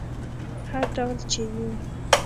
هر ډول چې یې